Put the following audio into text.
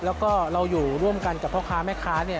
แล้วก็เราอยู่ร่วมกันกับพ่อค้าแม่ค้าเนี่ย